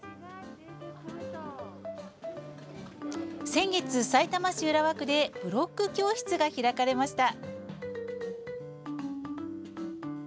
先月、さいたま市浦和区でブロック教室が開かれました。